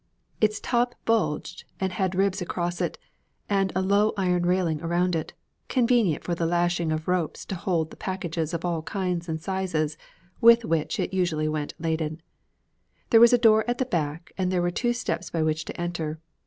Its top bulged and had ribs across it and a low iron railing around it, convenient for the lashing of ropes to hold the packages of all kinds and sizes with which it usually went laden. There was a door at the back and there were two steps by which to enter.